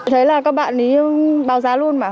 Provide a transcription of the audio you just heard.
thấy là các bạn ý bao giá luôn mà một mươi